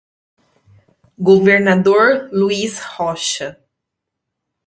Governador Luiz Rocha